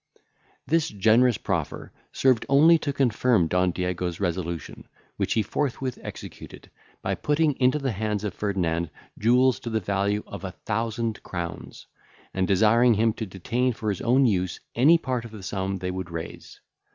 This generous proffer served only to confirm Don Diego's resolution, which he forthwith executed, by putting into the hands of Ferdinand jewels to the value of a thousand crowns, and desiring him to detain for his own use any part of the sum they would raise.